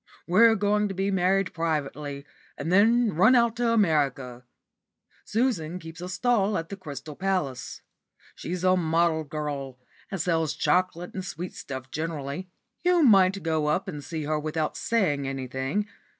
We're going to be married privately, and then run out to America. Susan keeps a stall at the Crystal Palace. She's a model girl, and sells chocolate and sweetstuff generally. You might go and see her without saying anything.